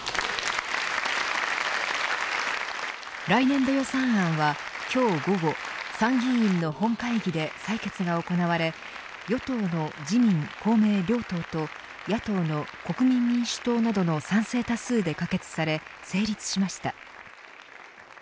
来年度予算は今日午後参議院の本会議で採決が行われ与党の自民、公明両党と野党の国民民主党などの賛成多数で可決され成立しました。